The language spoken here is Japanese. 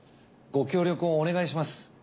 ご協力をお願いします。